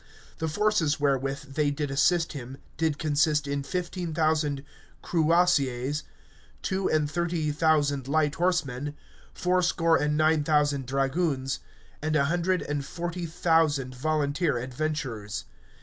The forces wherewith they did assist him did consist in fifteen thousand cuirassiers, two and thirty thousand light horsemen, four score and nine thousand dragoons, and a hundred and forty thousand volunteer adventurers.